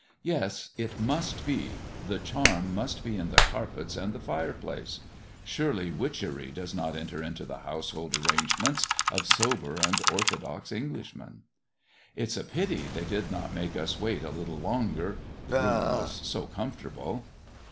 Yes! it must be the charm must be in the carpets and the fire place. Surely witchery does not enter into the household arrangements of sober and orthodox Englishmen! It's a pity they did not make us wait a little longer, the room was so comfortable.